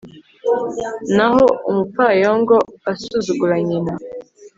naho umupfayongo asuzugura nyina